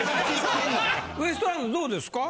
ウエストランドどうですか。